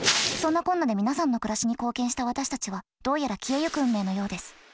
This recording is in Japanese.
そんなこんなで皆さんの暮らしに貢献した私たちはどうやら消えゆく運命のようです。